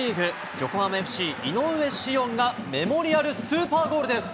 横浜ＦＣ、井上潮音がメモリアルスーパーゴールです。